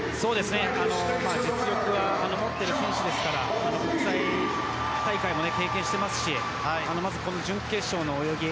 実力は持っている選手ですから国際大会も経験していますしまず、この準決勝の泳ぎ